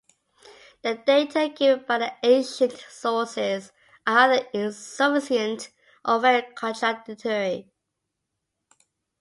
The data given by the ancient sources are either insufficient or very contradictory.